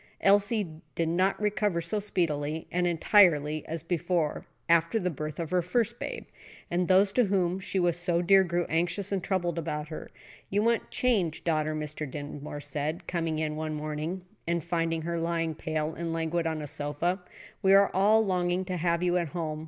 Elsie did not recover so speedily and entirely as before, after the birth of her first babe; and those to whom she was so dear grew anxious and troubled about her. "You want change, daughter," Mr. Dinsmore said, coming in one morning and finding her lying pale and languid on a sofa; "and we are all longing to have you at home.